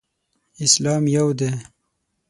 اسلام یو دی.